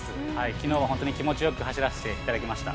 きのうは本当に気持ちよく走らせていただきました。